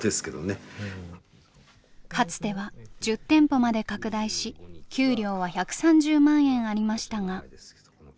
かつては１０店舗まで拡大し給料は１３０万円ありましたが。